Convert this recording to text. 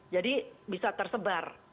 jadi bisa tersebar